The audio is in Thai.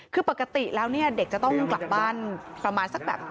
คือปกติแล้วเนี่ยเด็กจะต้องกลับบ้านประมาณสักแบบ